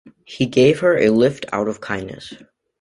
He gave her a lift out of kindness.